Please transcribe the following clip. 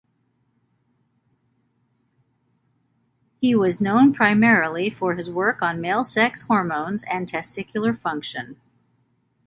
He was known primarily for his work on male sex hormones and testicular function.